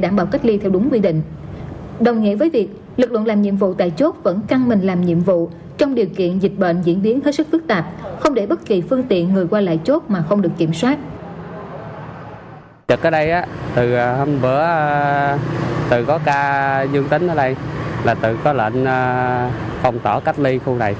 dịch ở đây từ hôm bữa từ có ca dương tính ở đây là từ có lệnh phòng tỏ cách ly khu này